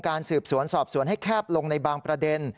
สืบสวนสอบสวนให้แคบลงในบางประเด็น